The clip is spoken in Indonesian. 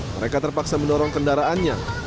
mereka terpaksa menorong kendaraannya